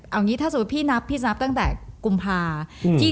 เอางี้ถ้าสมมุติพี่นับพี่นับตั้งแต่กุมภา